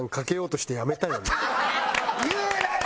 言うなや！